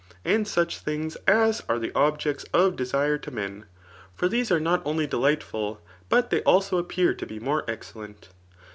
And such things as are the objects of Retire to men ; for these are not only delightful, but they also appear to be more excellent.